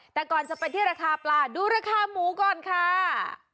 แต่ก่อนจะไปที่ราคาปลาดูราคาหมูก่อนค่ะ